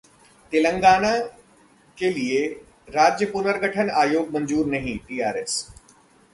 तेलंगाना के लिए राज्य पुनर्गठन आयोग मंजूर नहीं: टीआरएस